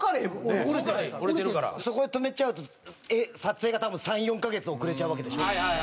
そこで止めちゃうと撮影が多分３４カ月遅れちゃうわけでしょ。